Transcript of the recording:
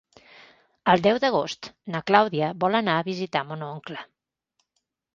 El deu d'agost na Clàudia vol anar a visitar mon oncle.